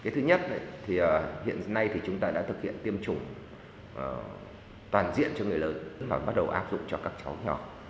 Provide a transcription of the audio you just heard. thứ nhất hiện nay chúng ta đã thực hiện tiêm chủng toàn diện cho người lớn và bắt đầu áp dụng cho các cháu nhỏ